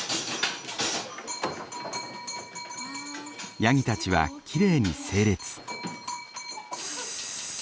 ヤギたちはきれいに整列。